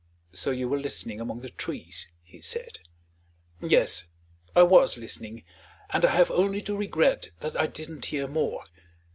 "So you were listening among the trees!" he said. "Yes; I was listening; and I have only to regret that I didn't hear more.